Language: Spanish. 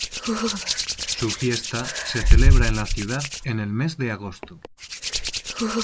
Su fiesta se celebra en la ciudad en el mes de agosto.